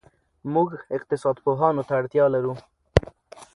موږ اقتصاد پوهانو ته اړتیا لرو.